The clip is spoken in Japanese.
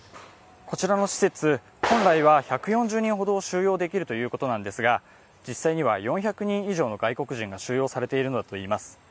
こちらの施設、本来は１４０人ほどを収容できるということなんですが、実際には４００人以上の外国人が収容されているのだといいます。